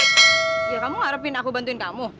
ya kamu ngarepin aku bantuin kamu